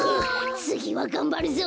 つぎはがんばるぞ！